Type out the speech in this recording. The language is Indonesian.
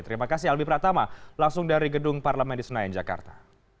terima kasih albi pratama langsung dari gedung parlemen di senayan jakarta